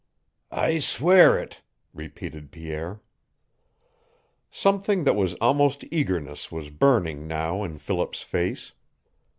"I swear it!" repeated Pierre. Something that was almost eagerness was burning now in Philip's face.